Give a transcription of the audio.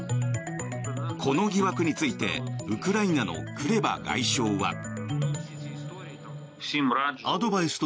この疑惑についてウクライナのクレバ外相は。